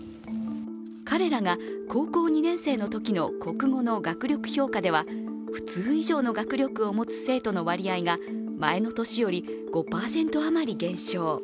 彼らが高校２年生のときの国語の学力評価では普通以上の学力を持つ生徒の割合が前の年より５％余り減少。